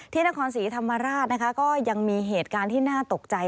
นครศรีธรรมราชนะคะก็ยังมีเหตุการณ์ที่น่าตกใจ